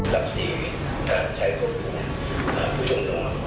ทักษีทางชายควบคุมผู้ช่วงนม